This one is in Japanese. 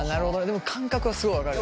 でも感覚はすごい分かる。